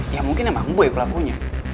ya mungkin emang gue pelakunya